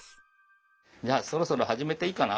じゃあそろそろ始めていいかな？